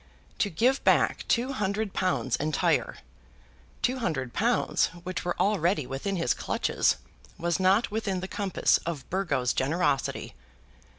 To give back two hundred pounds entire, two hundred pounds which were already within his clutches, was not within the compass of Burgo's generosity.